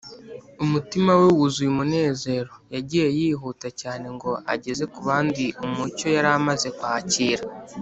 Umutima we wuzuye umunezero, yagiye yihuta cyane, ngo ageze ku bandi umucyo yari amaze kwakira.